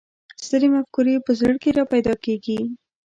سترې مفکورې په زړه کې را پیدا کېږي.